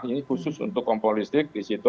ini khusus untuk kompor listrik di situ